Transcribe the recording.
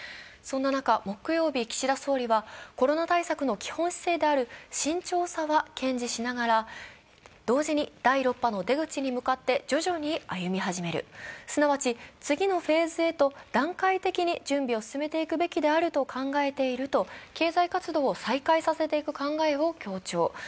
そんな中、木曜日、岸田総理はコロナ対策の基本姿勢である慎重さは堅持すしながら同時に第６波の出口に向かって徐々に歩み始める、すなわち次のフェーズへと段階的に準備を進めていくべきであると考えていると、経済活動を再開させていく考えを強調。